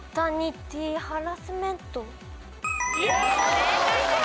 正解です。